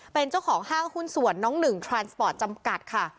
เป็นเจ้าของห้างหุ้นส่วนน้องหนึ่งทรานสปอร์ตจำกัดค่ะ